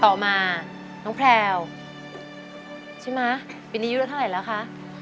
ต่อมาน้องแพลวใช่ไหมปีนี้อายุละเท่าไหร่แล้วคะ